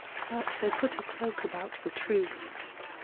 But they put a cloak about the truth.